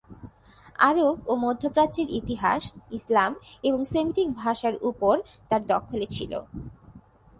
আরব ও মধ্যপ্রাচ্যের ইতিহাস, ইসলাম এবং সেমিটিক ভাষার উপর তার দখলে ছিল।